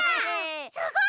すごい！